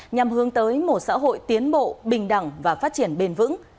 nhằm hướng tới một xã hội tiến bộ bình đẳng và phát triển bền vững